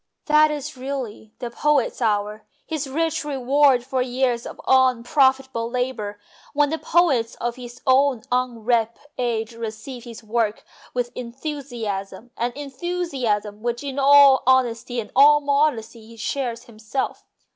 That is really the poet's hour, his rich reward for years of unprofitable labour, when the poets of his own unripe age receive his work with enthusiasm an enthusiasm which in all honesty and all modesty he shares himself.